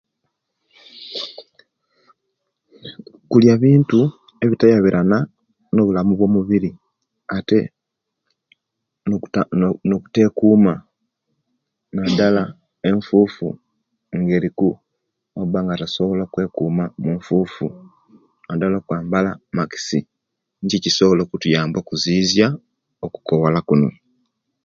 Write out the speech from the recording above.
Kuliya bintu ebitayabirana nobulamu obwomubiri ate nono nokutekuma nadala enfufu nga eriku awabanga tasobola okwekuma omunfufunadala okwambaka maxi Nikyo ekisobla okutuyamba okusobola okuziziya okukoola kunu